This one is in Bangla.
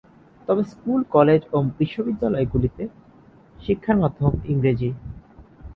তবে স্কুল, কলেজ ও বিশ্ববিদ্যালয়গুলিতে শিক্ষার মাধ্যম ইংরেজি।